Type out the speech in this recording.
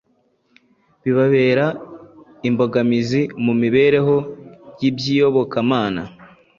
bibabera imbogamizi mu mibereho y’iby’iyobokamana